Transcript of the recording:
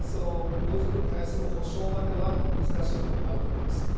なかなかご遺族に対する補償までは難しいところがあると思います。